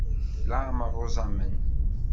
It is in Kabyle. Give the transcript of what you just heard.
Leɛmer uẓamen.